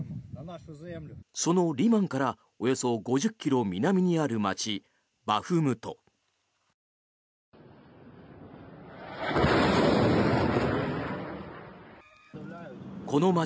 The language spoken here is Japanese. そのリマンからおよそ５０ｋｍ南にある街